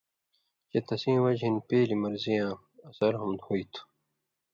چے تسیں وجہۡ ہِن پیلیۡ مرضی یاں اثر ہُم ہُوئ تُھو۔